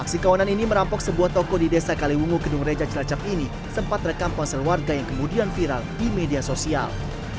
aksi kawanan ini merampok sebuah toko di desa kaliwungu gedung reja cilacap ini sempat rekam ponsel warga yang kemudian viral di media sosial